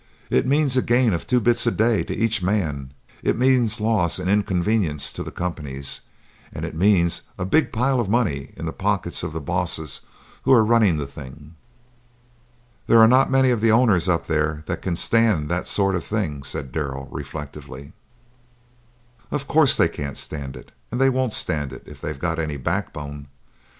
"It means a gain of two bits a day to each man; it means loss and inconvenience to the companies, and it means a big pile of money in the pockets of the bosses who are running the thing." "There are not many of the owners up there that can stand that sort of thing," said Darrell, reflectively. "Of course they can't stand it, and they won't stand it if they've got any backbone!